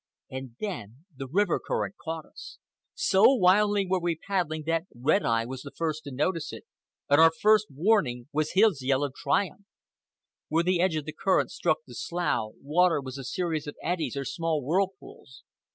And then the river current caught us. So wildly were we paddling that Red Eye was the first to notice it, and our first warning was his yell of triumph. Where the edge of the current struck the slough water was a series of eddies or small whirlpools.